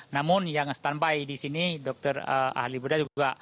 namun yang standby di sini dokter ahli budaya juga